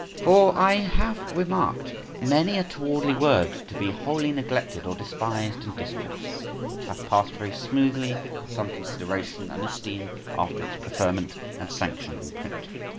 For I have remarked many a towardly word to be wholly neglected or despised in discourse, which hath passed very smoothly with some consideration and esteem after its preferment and sanction in print.